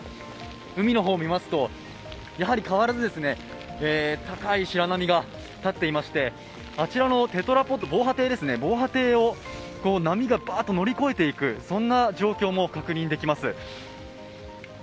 海の方を見ますとやはり変わらず高い白波が立っていましてあちらのテトラポット、防波堤を波が乗り越えていく状況も確認できます。